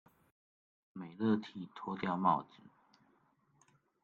美樂蒂脫掉帽子